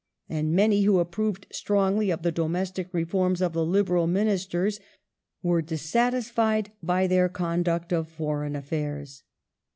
And many who approved strongly of the domestic reforms of the Liberal Ministers were dissatisfied by their conduct of foreign affairs.